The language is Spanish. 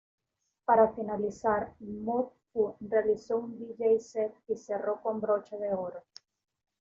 Para finalizar, Mood Fu realizó un Dj Set y cerró con broche de oro.